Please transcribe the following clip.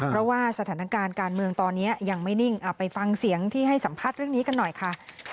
เพราะว่าสถานการณ์การเมืองตอนนี้ยังไม่นิ่งไปฟังเสียงที่ให้สัมภาษณ์เรื่องนี้กันหน่อยค่ะ